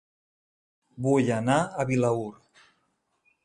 Vull anar a Vilaür